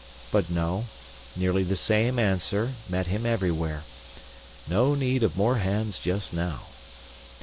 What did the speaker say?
But no nearly the same answer met him everywhere. No need of more hands just now.